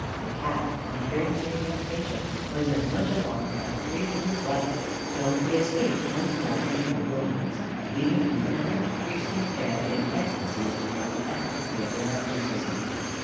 The Cat, on hearing the incantation, was as much alarmed as the priest and his wife; so he escaped once more into the wilderness, leaving the repentant priestly pair in ecstacies at the efficacy of their exorcism.